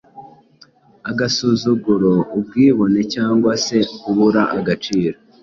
Agasuzuguro, ubwibone cyangwa se kubura agaciro